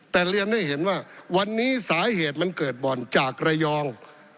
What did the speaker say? แต่เรียนให้เห็นว่าวันนี้สาเหตุมันเกิดบ่อนจากระยอง